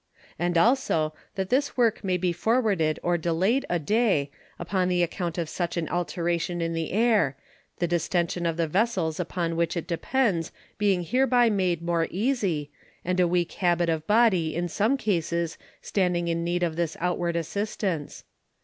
And also, that this Work may be forwarded or delay'd a day, upon the account of such an Alteration in the Air; the Distention of the Vessels upon which it depends, being hereby made more easie, and a weak Habit of Body in some Cases standing in need of this outward Assistance.